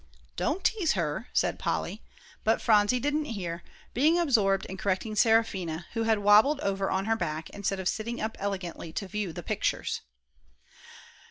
"Don't tease her," said Polly; but Phronsie didn't hear, being absorbed in correcting Seraphina, who had wobbled over on her back instead of sitting up elegantly to view the pictures.